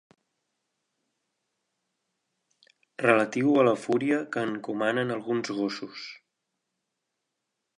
Relatiu a la fúria que encomanen alguns gossos.